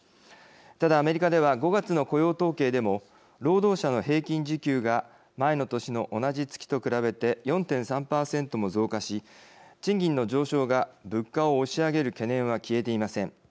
ただ、アメリカでは５月の雇用統計でも労働者の平均時給が前の年の同じ月と比べて４．３％も増加し賃金の上昇が物価を押し上げる懸念は消えていません。